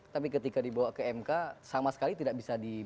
tapi ketika dibawa ke mk sama sekali tidak bisa di